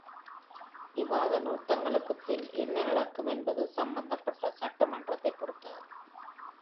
விவாத நிறுத்தங்களுக்குப் பின் என்ன நடக்கும் என்பது சம்பந்தப்பட்ட சட்டமன்றத்தைப் பொறுத்தது.